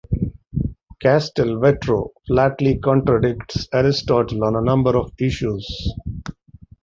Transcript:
Castelvetro flatly contradicts Aristotle on a number of issues.